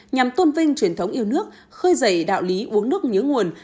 nhằm tôn vinh truyền thống yêu nước khơi dậy đạo lý uống nước nhớ nguồn